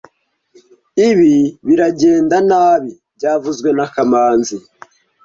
Ibi biragenda nabi byavuzwe na kamanzi